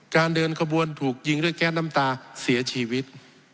เดินขบวนถูกยิงด้วยแก๊สน้ำตาเสียชีวิต